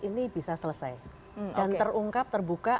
ini bisa selesai dan terungkap terbuka